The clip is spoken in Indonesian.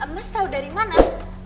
mas tahu dari mana